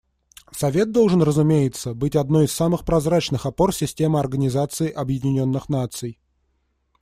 Совет должен, разумеется, быть одной из самых прозрачных опор системы Организации Объединенных Наций.